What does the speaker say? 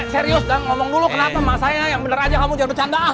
serius dang ngomong dulu kenapa emang saya yang bener aja ngomong jangan bercanda